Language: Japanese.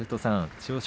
千代翔